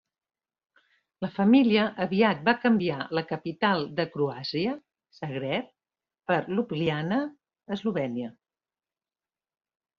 La família aviat va canviar la capital de Croàcia, Zagreb, per Ljubljana, Eslovènia.